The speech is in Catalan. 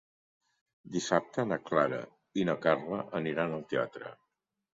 Dissabte na Clara i na Carla aniran al teatre.